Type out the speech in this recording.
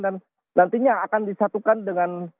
nantinya akan disatukan dengan